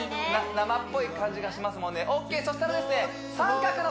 生っぽい感じがしますもんねＯＫそしたらですね